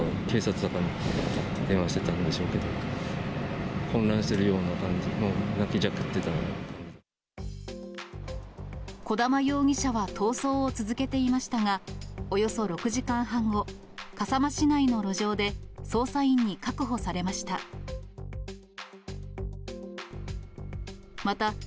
児玉容疑者は逃走を続けていましたが、およそ６時間半後、笠間市内の路上で捜査員に確保されました。